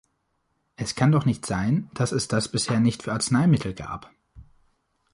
Es kann doch nicht sein, dass es das bisher nicht für Arzneimittel gab!